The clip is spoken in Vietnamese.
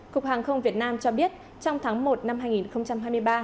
cục hàng không việt nam cho biết trong tháng một năm hai nghìn hai mươi ba